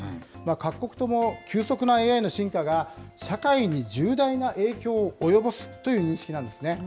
各国とも、急速なＡＩの進化が、社会に重大な影響を及ぼすという認識なんですね。